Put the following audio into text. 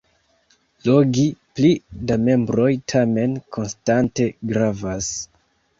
Logi pli da membroj tamen konstante gravas.